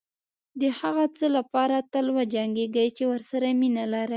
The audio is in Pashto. دهغه څه لپاره تل وجنګېږئ چې ورسره مینه لرئ.